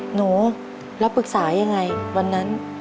หนูแล้วปรึกษายังไงวันนั้น